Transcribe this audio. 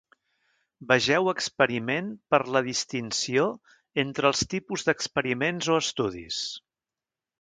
Vegeu experiment per la distinció entre els tipus d'experiments o estudis.